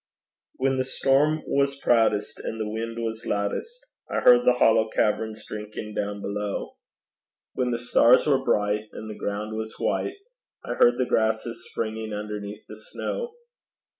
When the storm was proudest, And the wind was loudest, I heard the hollow caverns drinking down below; When the stars were bright, And the ground was white, I heard the grasses springing underneath the snow.